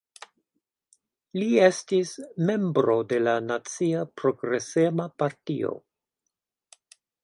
Li estis membro de la Nacia Progresema Partio.